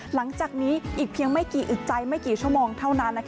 หลังจากนี้อีกเพียงไม่กี่อึกใจไม่กี่ชั่วโมงเท่านั้น